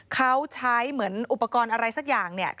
เขาใช้เหมือนอุปกรณ์อะไรสักอย่างเนี่ย